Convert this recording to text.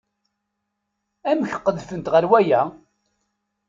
Amek qedfent ɣer waya?